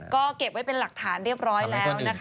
บอกเป็นโชคของฉัน